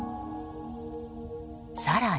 更に。